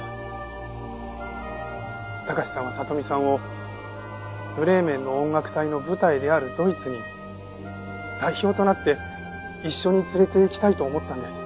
貴史さんは里美さんを『ブレーメンの音楽隊』の舞台であるドイツに代表となって一緒に連れて行きたいと思ったんです。